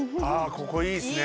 ここいいっすね。